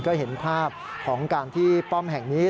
ก็เห็นภาพของการที่ป้อมแห่งนี้